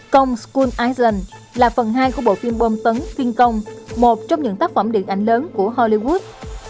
công school island là phần hai của bộ phim bom tấn kinh công một trong những tác phẩm điện ảnh lớn của hollywood